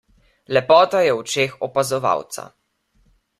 Lepota je v očeh opazovalca.